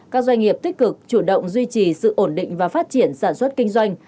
các doanh nghiệp tích cực chủ động duy trì sự ổn định và phát triển sản xuất kinh doanh